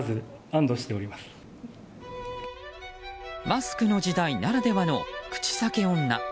マスクの時代ならではの口裂け女。